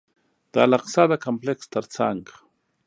د الاقصی د کمپلکس تر څنګ.